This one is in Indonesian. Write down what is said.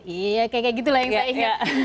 iya kayak gitu lah yang saya